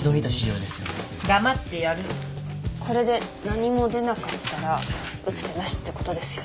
これで何も出なかったら打つ手なしってことですよね。